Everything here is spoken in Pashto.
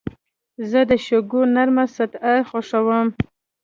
زه د شګو نرمه سطحه خوښوم.